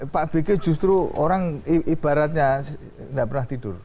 pak bg justru orang ibaratnya tidak pernah tidur